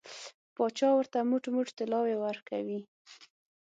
پاچا ورته موټ موټ طلاوې ورکوي.